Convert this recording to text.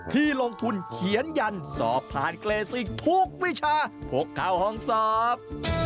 ที่ลงทุนเขียนยันสอบผ่านเกรสิกทุกวิชาพกเข้าห้องสอบ